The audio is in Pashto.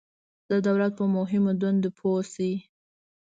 د دولت په مهمو دندو پوه شئ.